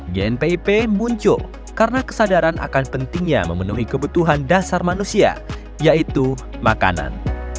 gnpip muncul karena kesadaran akan pentingnya memenuhi kebutuhan dasar manusia yaitu makanan